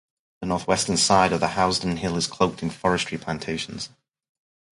The northwestern side of the Housedon Hill is cloaked in forestry plantations.